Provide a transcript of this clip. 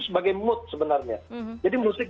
sebagai mood sebenarnya jadi musik